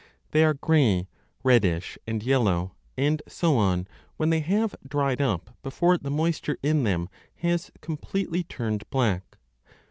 They are grey, reddish, and yellow, and so on, when they have dried up before the moisture in them has completely turned black.